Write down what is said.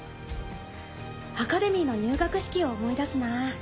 アカデミーの入学式を思い出すな。